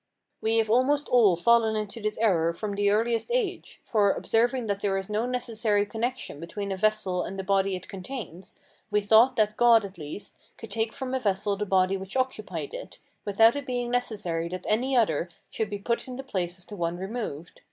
We have almost all fallen into this error from the earliest age, for, observing that there is no necessary connection between a vessel and the body it contains, we thought that God at least could take from a vessel the body which occupied it, without it being necessary that any other should be put in the place of the one removed.